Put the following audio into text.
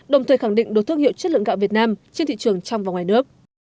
đồng thời khẳng định đồ thương hiệu chất lượng gạo việt nam trên thị trường trong và ngoài nước